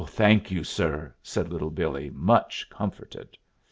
"Thank you, sir," said Little Billee, much comforted.